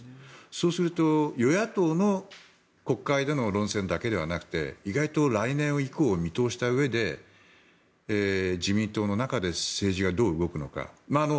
そうすると、与野党の国会での論戦だけではなくて意外と来年以降を見通したうえで自民党の中で政治がどう動くのか。